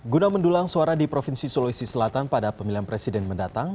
guna mendulang suara di provinsi sulawesi selatan pada pemilihan presiden mendatang